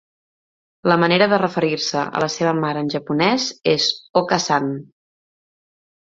La manera de referir-se a la seva mare, en japonès, és "okaa-san".